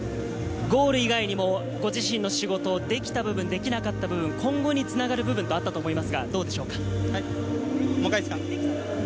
ゴール以外にも自身の仕事できた部分、できなかった部分、今後に繋がる部分あったと思います。